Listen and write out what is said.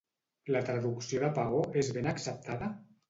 La traducció de paó és ben acceptada?